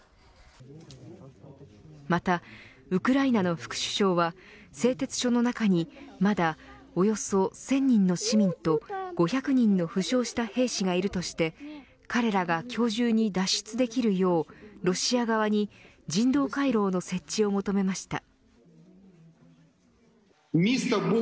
また、ウクライナの副首相は製鉄所の中に、まだおよそ１０００人の市民と５００人の負傷した兵士がいるとして彼らが今日中に脱出できるようロシア側に人道回廊の設置を求めました。